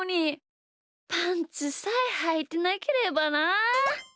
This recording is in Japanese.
パンツさえはいてなければなあ。